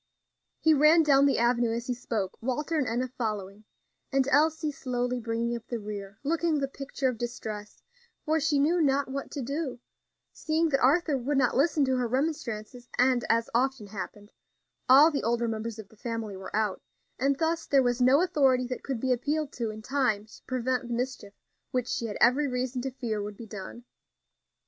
He ran down the avenue as he spoke, Walter and Enna following, and Elsie slowly bringing up the rear, looking the picture of distress, for she knew not what to do, seeing that Arthur would not listen to her remonstrances, and, as often happened, all the older members of the family were out, and thus there was no authority that could be appealed to in time to prevent the mischief which she had every reason to fear would be done.